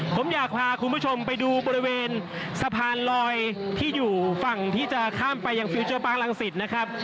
ผมอยากพาคุณผู้ชมไปดูบริเวณสะพานลอยที่อยู่ฝั่งที่จะข้ามไปยังฟิลเจอร์ปาร์คลังศิษย์นะครับ